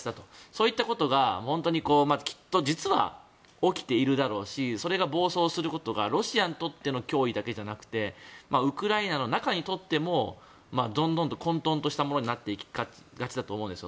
そういったことがきっと実は起きているだろうしそれが暴走することがロシアにとっての脅威だけじゃなくてウクライナの中にとってもどんどんと混とんとしたものになっていきがちだと思うんです。